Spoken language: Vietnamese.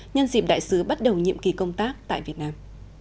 nhân dịp đại sứ bắt đầu nhiệm kỳ công tác tại việt nam